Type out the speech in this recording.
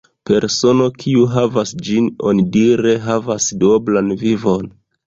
Persono kiu havas ĝin onidire havas duoblan vivon.